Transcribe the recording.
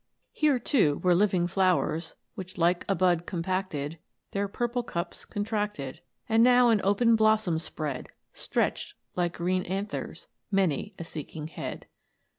Here, too, were living flowers, Which, like a bud compacted, Their purple cups contracted ; And now in open blossom spread, Stretch 'd, like green anthers, many a seeking head."